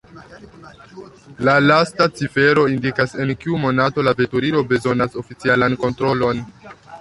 La lasta cifero indikas, en kiu monato la veturilo bezonas oficialan kontrolon.